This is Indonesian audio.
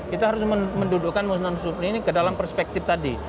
kita harus mendudukkan munaslup ini ke dalam perspektif tadi